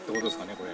これ。